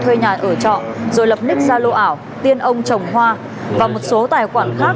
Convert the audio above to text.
thuê nhà ở trọ rồi lập ních gia lô ảo tiên ông trồng hoa và một số tài khoản khác